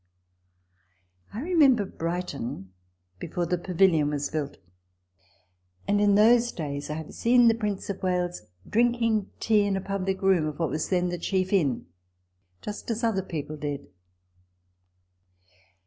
I remember Brighton before the Pavilion was built ; and in those days I have seen the Prince of Wales drinking tea in a public room of what was then the chief inn, just as other people did.